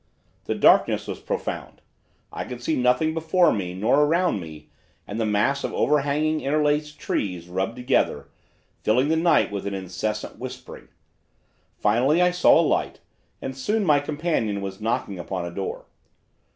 "The darkness was profound. I could see nothing before me nor around me and the mass of overhanging interlacing trees rubbed together, filling the night with an incessant whispering. Finally I saw a light and soon my companion was knocking upon a door.